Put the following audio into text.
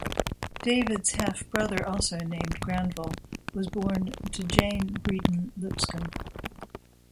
David's half-brother, also named Granville, was born to Jane Breedan Lipscomb.